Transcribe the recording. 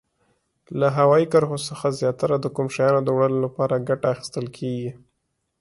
له هوایي کرښو څخه زیاتره د کوم شیانو د وړلو لپاره ګټه اخیستل کیږي؟